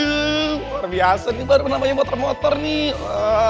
luar biasa nih baru namanya motor motor nih